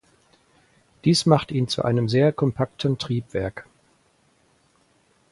Dies macht ihn zu einem sehr kompakten Triebwerk.